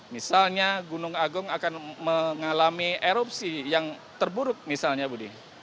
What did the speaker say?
misalnya gunung agung akan mengalami erupsi yang terburuk misalnya budi